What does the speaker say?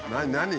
何？